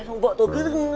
xong vợ tôi cứ